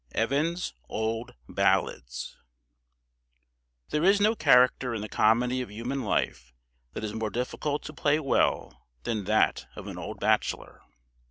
EVANS' OLD BALLADS. There is no character in the comedy of human life that is more difficult to play well than that of an old bachelor.